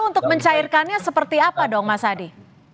untuk mencairkannya seperti apa dong mas adi